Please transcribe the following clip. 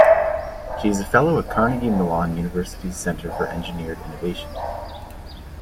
She is a fellow at Carnegie Mellon University's Center for Engineered Innovation.